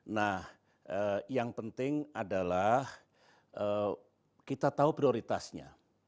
nah yang penting adalah kita tahu prioritasnya